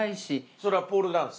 それはポールダンス？